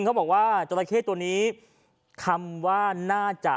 เขาบอกว่าเจราะแค่ตัวนี้คำว่า